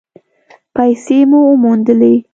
پیسې مو وموندلې؟